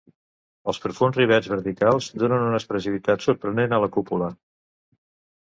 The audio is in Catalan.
Els profunds rivets verticals donen una expressivitat sorprenent a la cúpula.